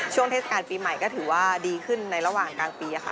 เทศกาลปีใหม่ก็ถือว่าดีขึ้นในระหว่างกลางปีค่ะ